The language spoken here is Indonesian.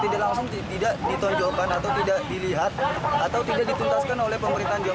tidak langsung tidak ditonjolkan atau tidak dilihat atau tidak dituntaskan oleh pemerintahan jokowi